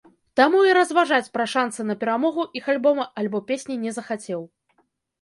Таму і разважаць пра шанцы на перамогу іх альбома альбо песні не захацеў.